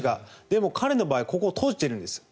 でも、彼の場合はここが閉じてるんです。